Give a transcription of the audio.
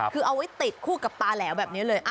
คือเอาไว้ติดคู่กับตาแหลวแบบนี้เลย